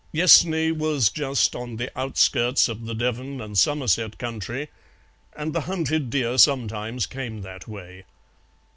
Yessney was just on the outskirts of the Devon and Somerset country, and the hunted deer sometimes came that way.